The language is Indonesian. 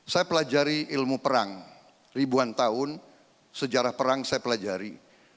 saya pelajari ilmu perang ribuan tahun sejarah perang saya pelajari